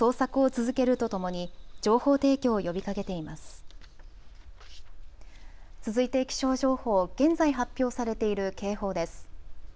続いて気象情報、現在発表されている警報です。